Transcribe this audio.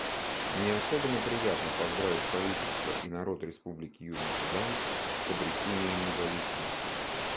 Мне особенно приятно поздравить правительство и народ Республики Южный Судан с обретением независимости.